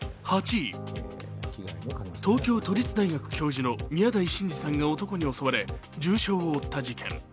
東京都立大学教授の宮台真司さんが男に襲われ重傷を負った事件。